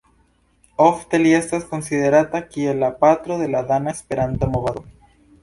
Ofte li estas konsiderata kiel "la patro de la dana Esperanto-movado".